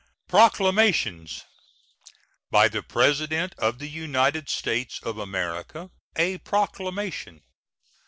PROCLAMATIONS. BY THE PRESIDENT OF THE UNITED STATES OF AMERICA. A PROCLAMATION.